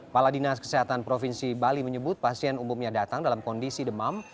pala dinas kesehatan provinsi bali menyebut pasien umumnya datang dalam kondisi demam